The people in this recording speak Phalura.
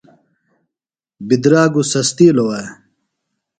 بدراگوۡ سستِیلوۡ وے؟